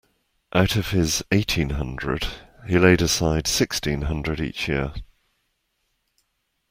Out of his eighteen hundred, he laid aside sixteen hundred each year.